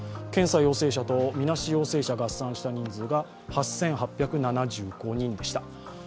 検査陽性者とみなし陽性者を合算した人数が８８７５人でした。